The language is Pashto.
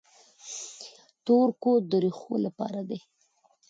تور کود د ریښو لپاره دی.